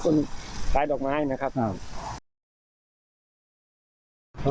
ต้องไปข้างบนเลย